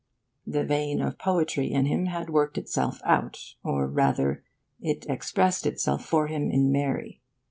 The vein of poetry in him had worked itself out or rather, it expressed itself for him in Mary.